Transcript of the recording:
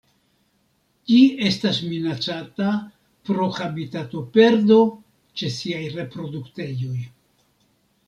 Ĝi estas minacata pro habitatoperdo ĉe siaj reproduktejoj.